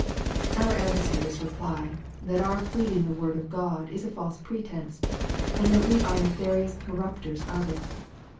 Our adversaries reply, that our pleading the word of God is a false pretence, and that we are nefarious corrupters of it.